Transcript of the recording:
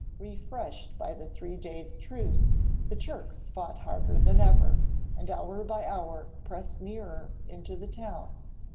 Refreshed by the three days' truce the Turks fought harder than ever, and hour by hour pressed nearer into the town.